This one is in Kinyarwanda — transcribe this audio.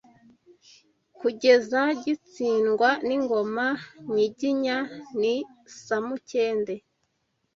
kugeza gitsindwa n’ingoma Nyiginya ni Samukende